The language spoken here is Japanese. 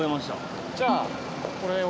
じゃあこれを。